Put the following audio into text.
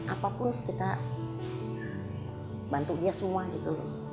apapun kita bantu dia semua gitu